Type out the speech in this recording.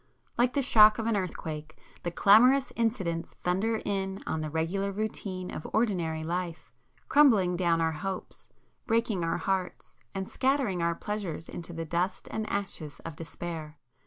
Like the shock of an earthquake, the clamorous incidents thunder in on the regular routine of ordinary life, crumbling down our hopes, breaking our hearts, and scattering our pleasures into the dust and ashes of despair.